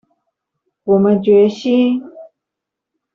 我們決心